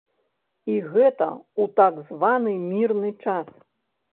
І гэта ў так званы мірны час.